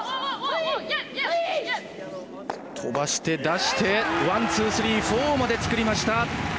飛ばして出して、ワン、ツー、スリー、フォーまで作りました。